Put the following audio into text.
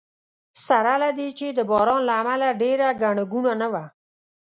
سره له دې چې د باران له امله ډېره ګڼه ګوڼه نه وه.